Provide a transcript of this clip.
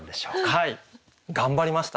はい頑張りました。